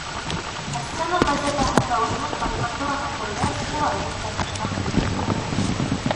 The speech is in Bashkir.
Ә стена газетаһында үҙенең карикатураһын күргәс, ул, әлбиттә, тыштан белгертмәне.